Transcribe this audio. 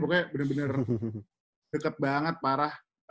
pokoknya bener bener deket banget parah